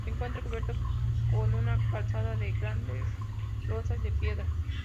Se encuentra cubierto con una calzada de grandes losas de piedra.